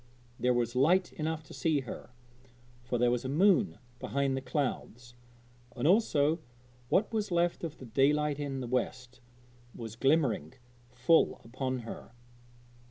There was light enough to see her, for there was a moon behind the clouds, and also what was left of the daylight in the west was glimmering full upon her.